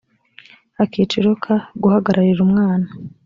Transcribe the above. akiciro ka guhagararira umwana